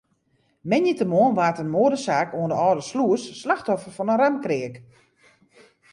Moandeitemoarn waard in moadesaak oan de Alde Slûs slachtoffer fan in raamkreak.